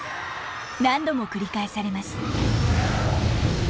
何度も繰り返されます。